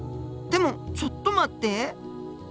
でもちょっと待って。